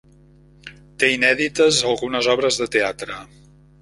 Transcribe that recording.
Té inèdites algunes obres de teatre.